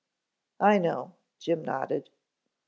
"I know," Jim nodded.